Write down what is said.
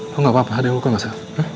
lo gak apa apa ada hukum gak sa